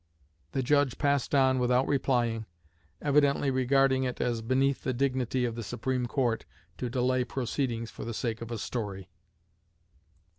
The judge passed on without replying, evidently regarding it as beneath the dignity of the Supreme Court to delay proceedings for the sake of a story.